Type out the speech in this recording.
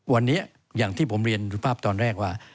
วันนี้อย่างที่ผมเรียนสุภาพตอนแรกว่า